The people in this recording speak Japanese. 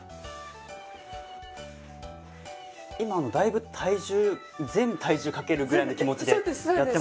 今あのだいぶ体重全体重かけるぐらいの気持ちでやってます。